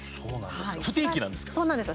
不定期なんですね。